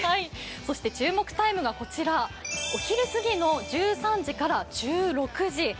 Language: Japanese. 注目タイムがこちら、お昼すぎの１３時から１６時。